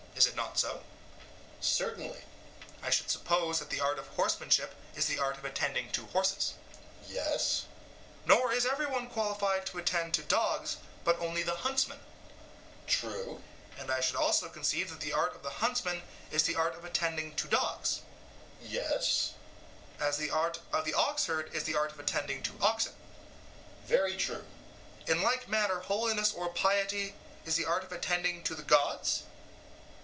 Is it not so? EUTHYPHRO: Certainly. SOCRATES: I should suppose that the art of horsemanship is the art of attending to horses? EUTHYPHRO: Yes. SOCRATES: Nor is every one qualified to attend to dogs, but only the huntsman? EUTHYPHRO: True. SOCRATES: And I should also conceive that the art of the huntsman is the art of attending to dogs? EUTHYPHRO: Yes. SOCRATES: As the art of the oxherd is the art of attending to oxen? EUTHYPHRO: Very true. SOCRATES: In like manner holiness or piety is the art of attending to the gods?